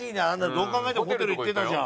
どう考えてもホテル行ってたじゃん。